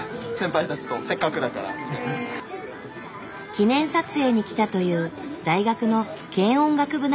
記念撮影に来たという大学の軽音学部仲間。